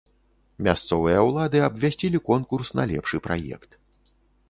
Мясцовыя ўлады абвясцілі конкурс на лепшы праект.